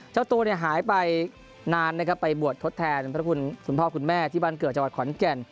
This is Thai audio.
เจ้าตัวเนี่ยหายไปนานนะครับไปบวชทดแทนพระคุณคุณพ่อคุณแม่ที่บ้านเกิดจังหวัดขอนแก่น